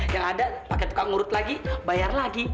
yang ada pakai tukang urut lagi bayar lagi